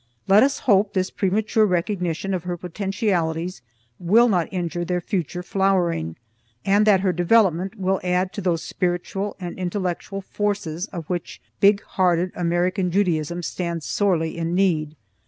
Let us hope this premature recognition of her potentialities will not injure their future flowering, and that her development will add to those spiritual and intellectual forces of which big hearted American Judaism stands sorely in need.